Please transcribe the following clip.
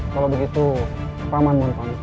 kalau begitu pak mas